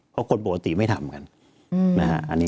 เพราะกฎปกติไม่ทำกันนะฮะอันนี้